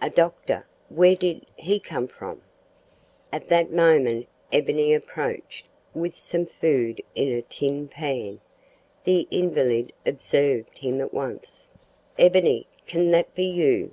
"A doctor! where did he come from?" At that moment Ebony approached with some food in a tin pan. The invalid observed him at once. "Ebony! can that be you?